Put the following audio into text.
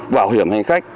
bảo hiểm hành khách